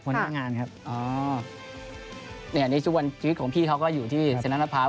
ครับหัวหน้างานครับอ๋อเนี้ยในช่วงชีวิตของพี่เขาก็อยู่ที่สนับพร้าว